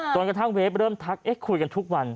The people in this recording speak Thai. กระทั่งเวฟเริ่มทักคุยกันทุกวัน